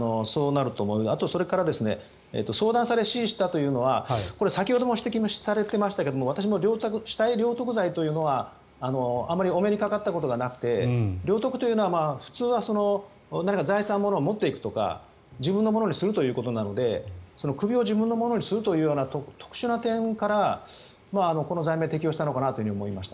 あとそれから相談され、指示したというのは先ほども指摘されていましたが私も死体領得罪というのはあまりお目にかかったことがなくて領得というのは普通は財産のものを持っていくとか自分のものにすることなので首を自分のものにするという特殊な点から、この罪名を適用したのかなと思います。